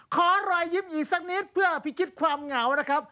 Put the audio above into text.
ขอรอยยิ้มอีกสักนิดเพื่อพิชิตความเหงานะครับ